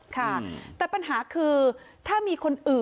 ทนายเกิดผลครับ